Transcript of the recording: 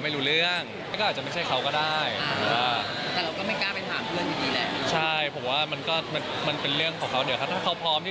ไม่แย่เนี่ยพูดว่าคนอ่านอย่างผมอย่างเนี่ย